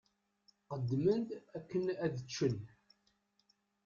Qqedmen-d akken ad ččen.